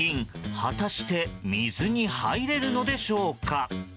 果たして水に入れるのでしょうか。